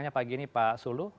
hanya pagi ini pak sulu